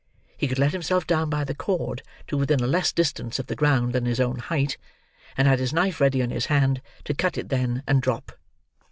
He could let himself down by the cord to within a less distance of the ground than his own height, and had his knife ready in his hand to cut it then and drop.